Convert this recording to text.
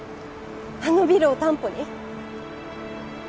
あのビルを担保に？